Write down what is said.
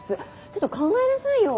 ちょっとは考えなさいよ。